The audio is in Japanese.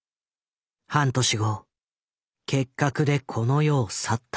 半年後結核でこの世を去った。